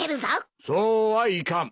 そうはいかん。